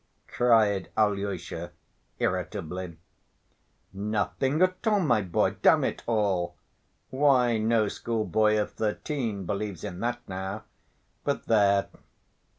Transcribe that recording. cried Alyosha irritably. "Nothing at all, my boy. Damn it all! why, no schoolboy of thirteen believes in that now. But there....